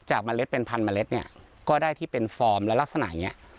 จากเมล็ดเป็นพันเมล็ดเนี้ยก็ได้ที่เป็นแล้วลักษณะเนี้ย